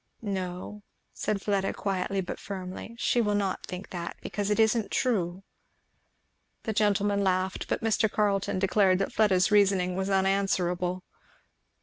"No," said Fleda, quietly but firmly, "she will not think that, because it isn't true." The gentlemen laughed, but Mr. Carleton declared that Fleda's reasoning was unanswerable.